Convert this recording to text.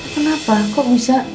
kenapa kok bisa